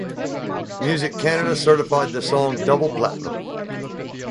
Music Canada certified the song Double Platinum.